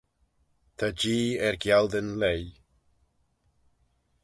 Ta Jee er gialdyn leih.